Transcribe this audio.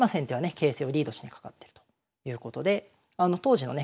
形勢をリードしにかかってるということで当時のね